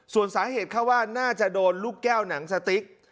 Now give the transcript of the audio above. ส่วนสาเหตุเข้าว่าน่าจะโดนลูกแก้วหนังสติ๊ก